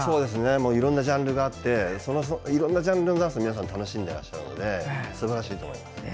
いろいろなジャンルがあっていろいろなジャンルの中で皆さん楽しんでらっしゃるのですばらしいと思います。